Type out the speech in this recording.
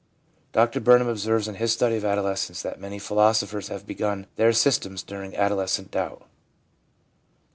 Dr Burnham observes in his study of adolescence that many philosophers have begun their systems during adolescent doubt.